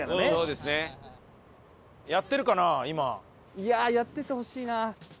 いやあやっててほしいな。